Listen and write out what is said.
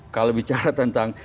kalau bicara tentang